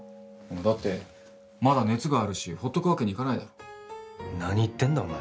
だってまだ熱があるしほっとくわけにいかないだろ何言ってんだお前